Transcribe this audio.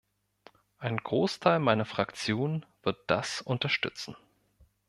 Ein Großteil meiner Fraktion wird das unterstützen.